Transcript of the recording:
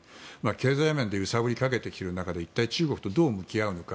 経済面で揺さぶりをかけてきている中で一体、中国とどう向き合うのか。